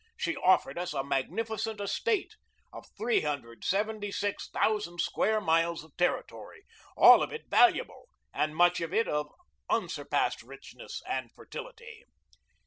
She offered us a magnificent estate of 376,000 square miles of territory, all of it valuable, and much of it of unsurpassed richness and fertility.